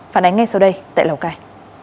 phản ánh ngay sau đây tại lào cai